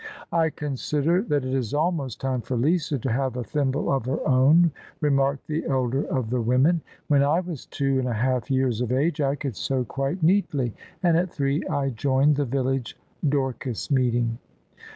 " I consider that it is almost time for Lisa to have a thimble of her own," remarked the elder of the women: " when I was two and a half years of age I could sew quite neatly: and at three I joined the village Dorcas meeting."